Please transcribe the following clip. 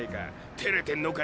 てれてんのか？